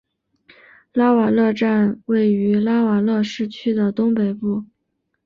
拉瓦勒站位于拉瓦勒市区的东北部。